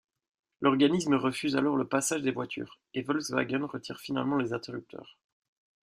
L'organisme refuse alors le passage des voitures, et Volkswagen retire finalement les interrupteurs.